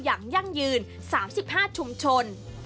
อย่างยั่งยืน๓๕ชุมชน